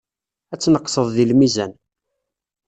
Ad tneqseḍ deg lmizan.